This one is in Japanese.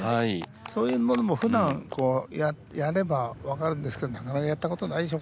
そういうものもふだんやれば分かるんですけどなかなかやったことないでしょ